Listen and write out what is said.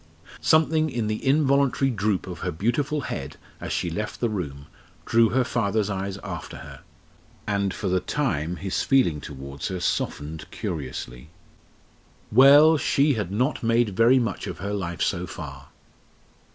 Something in the involuntary droop of her beautiful head as she left the room drew her father's eyes after her, and for the time his feeling towards her softened curiously. Well, she had not made very much of her life so far!